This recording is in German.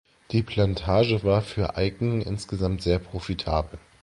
Die Plantage war für Aiken insgesamt sehr profitabel.